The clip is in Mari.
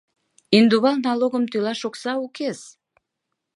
Индувал налогым тӱлаш оксана укес.